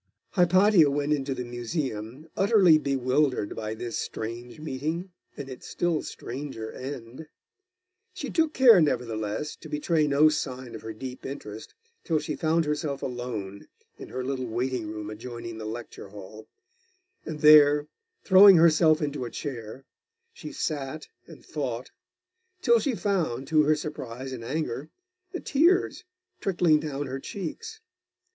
Hypatia went on to the Museum, utterly bewildered by this strange meeting, and its still stranger end. She took care, nevertheless, to betray no sign of her deep interest till she found herself alone in her little waiting room adjoining the lecture hall; and there, throwing herself into a chair, she sat and thought, till she found, to her surprise and anger, the tears trickling down her cheeks.